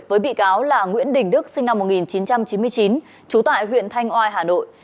với bị cáo là nguyễn đình đức sinh năm một nghìn chín trăm chín mươi chín trú tại huyện thanh oai hà nội